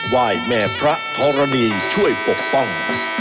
ว่ายแม่พระทรณีช่วยปกป้อง